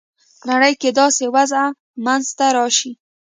نړۍ کې داسې وضع منځته راسي.